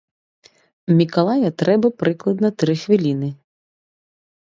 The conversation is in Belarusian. Мікалая трэба прыкладна тры хвіліны.